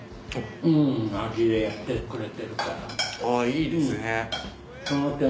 いいですね。